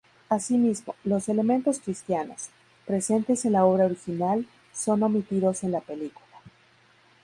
Asimismo, los elementos cristianos, presentes en la obra original, son omitidos en la película.